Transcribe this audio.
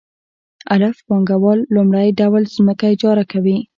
الف پانګوال لومړی ډول ځمکه اجاره کوي